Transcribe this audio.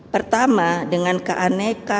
pertama dengan keaneka